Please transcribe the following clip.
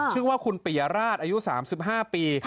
ชื่อว่าคุณปียราชอายุ๓๕ปี